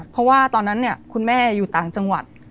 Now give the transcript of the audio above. เพราะว่าตอนนั้นคุณแม่อยู่ต่างจังหวัด